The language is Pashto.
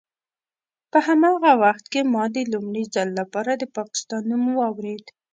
په هماغه وخت کې ما د لومړي ځل لپاره د پاکستان نوم واورېد.